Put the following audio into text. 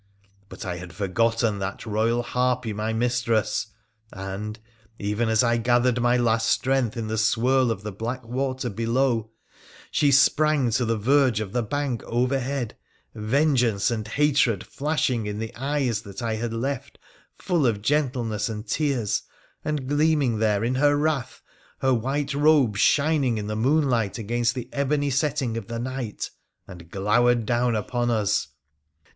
But I had forgotten that royal harpy my mistress ; and, 6a WONDERFUL ADVENTURES OF even as I gathered my last strength in the swirl of the black water below, she sprang to the verge of the bank overhead, vengeance and hatred flashing in the eyes that I had left full of gentleness and tears, and gleaming there in her wrath, her white robes shining in the moonlight against the ebony setting of the night, and glowered down upon us.